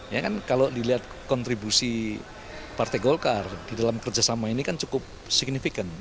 ya kan kalau dilihat kontribusi partai golkar di dalam kerjasama ini kan cukup signifikan